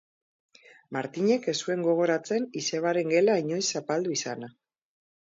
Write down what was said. Martinek ez zuen gogoratzen izebaren gela inoiz zapaldu izana.